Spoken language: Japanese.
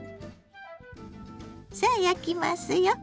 さあ焼きますよ。